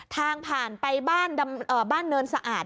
ทางผ่านไปบ้านเนินสะอาด